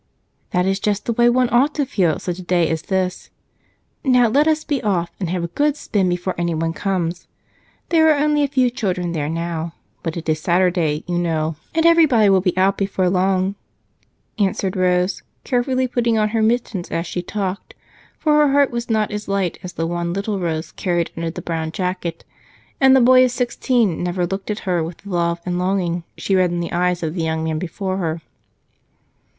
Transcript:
"That is just the way one ought to feel on such a day as this. Now let us be off and have a good spin before anyone comes. There are only a few children there now, but it is Saturday, you know, and everybody will be out before long," answered Rose, carefully putting on her mittens as she talked, for her heart was not as light as the one little Rose carried under the brown jacket, and the boy of sixteen never looked at her with the love and longing she read in the eyes of the young man before her.